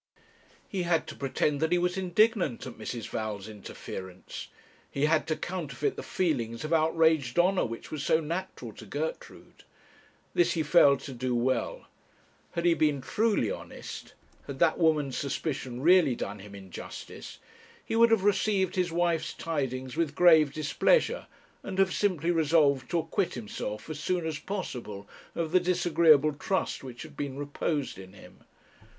He had to pretend that he was indignant at Mrs. Val's interference; he had to counterfeit the feelings of outraged honour, which was so natural to Gertrude. This he failed to do well. Had he been truly honest had that woman's suspicion really done him injustice he would have received his wife's tidings with grave displeasure, and have simply resolved to acquit himself as soon as possible of the disagreeable trust which had been reposed in him.